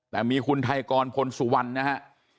แต่มีคุณไทกรพลิกสุวรรณฯเนี่ยฮะ